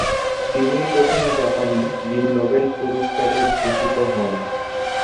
তিনিই প্রথম জাপানি যিনি নোবেল পুরস্কারে ভূষিত হন।